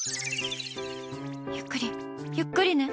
ゆっくり、ゆっくりね。